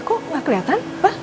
kok gak keliatan